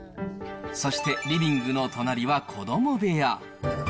そして、リビングの隣は子ども部屋。